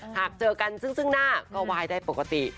หากเจอกันซึ่งหน้าก็ไหว้ได้ปกติ